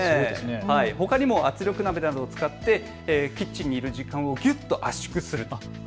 ほかにも圧力鍋などを使ってキッチンにいる時間をぎゅっと圧縮するという。